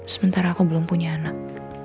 sementara aku belum punya anak